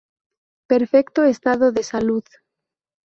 Perfecto estado de salud.